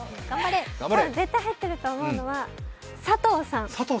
絶対入ってると思うのは、佐藤さん。